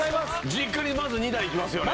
実家にまず２台いきますよね。